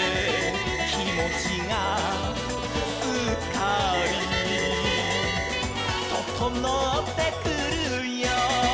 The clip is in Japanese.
「きもちがすっかり」「ととのってくるよ」